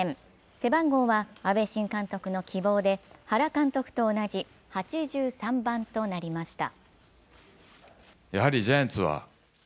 背番号は阿部新監督の希望で原監督と同じ８３番となりました。